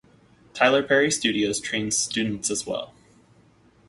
Tyler Perry Studios trains students as well.